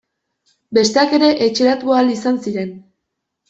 Besteak ere etxeratu ahal izan ziren.